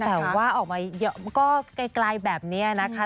แต่ว่าออกมาก็ไกลแบบนี้นะคะ